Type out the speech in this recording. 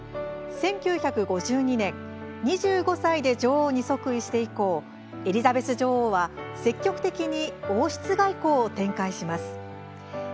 １９５２年２５歳で女王に即位して以降エリザベス女王は積極的に王室外交を展開します。